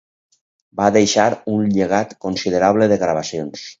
Va deixar un llegat considerable de gravacions.